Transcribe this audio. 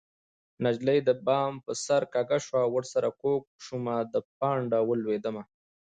نجلۍ د بام په سر کږه شوه ورسره کوږ شومه د پانډه ولوېدمه